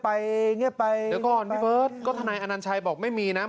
ไปเหงียไปเดี๋ยวก่อนมีเพิ๊ธก็ทนนยอนานชัยบอกไม่มีนะ